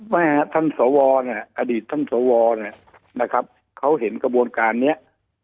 ไม่ครับท่านสวเนี่ย